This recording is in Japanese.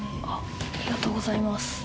ありがとうございます。